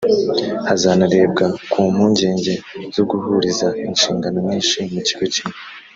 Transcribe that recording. hazanarebwa ku mpungenge zo guhuriza inshingano nyinshi mu kigo kimwe